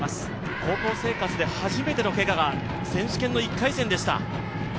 高校生活で初めてのけがが選手権の１回戦でした。